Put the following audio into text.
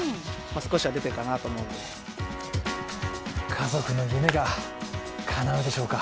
家族の夢がかなうでしょうか。